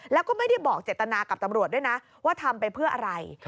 แล้วก็ไม่ได้บอกเจตนากับตำรวจด้วยนะว่าทำไปเพื่ออะไร